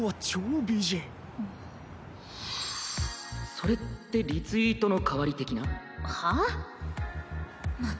それってリツイートの代わり的な？